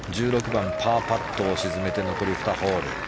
１６番、パーパットを沈めて残り２ホール。